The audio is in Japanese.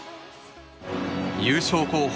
優勝候補